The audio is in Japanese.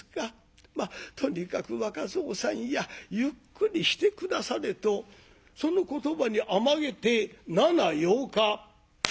まっとにかく若蔵さんやゆっくりして下され」とその言葉に甘えて七八日。